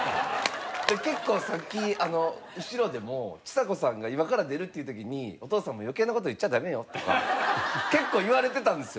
結構さっき後ろでもちさ子さんが今から出るっていう時に「お父さんもう余計な事言っちゃダメよ」とか結構言われてたんですよ。